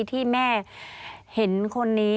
ที่แม่เห็นคนนี้